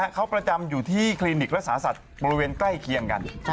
เขาประจำอยู่ที่คลินิกรักษาสัตว์บริเวณใกล้เคียงกัน